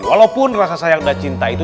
walaupun rasa sayang dan cinta itu